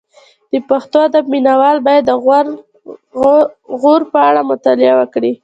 د پښتو ادب مینه وال باید د غور په اړه مطالعه وکړي